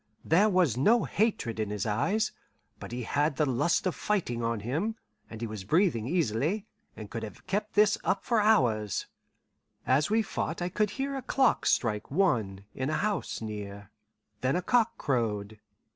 There was no hatred in his eyes, but he had the lust of fighting on him, and he was breathing easily, and could have kept this up for hours. As we fought I could hear a clock strike one in a house near. Then a cock crowed.